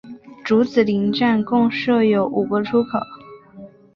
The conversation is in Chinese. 竹子林站共设有五个出口。